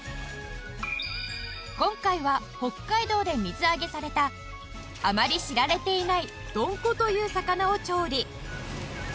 今回は北海道で水揚げされたあまり知られていないドンコという魚を調理